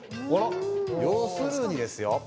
要するにですよ